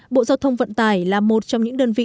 bộ giao thông vận tải là một trong những đơn vị